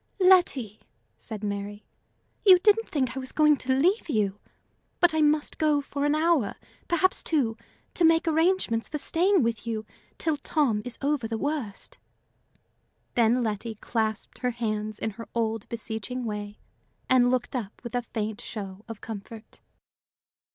"Letty," said Mary, "you didn't think I was going to leave you! But I must go for an hour, perhaps two, to make arrangements for staying with you till Tom is over the worst." Then Letty clasped her hands in her old, beseeching way, and looked up with a faint show of comfort.